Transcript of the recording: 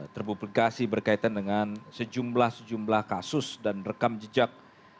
terpublikasi berkaitan dengan sejumlah sejumlah kasus dan rekam jejak